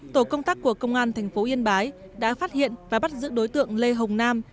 tổ công tác của công an thành phố yên bái đã phát hiện và bắt giữ đối tượng lê hồng nam